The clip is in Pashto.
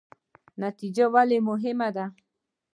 نتیجه ولې مهمه ده؟